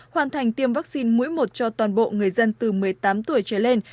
hoàn thành tiêm vaccine mũi một cho toàn bộ người dân từ một mươi tám tuổi trở lên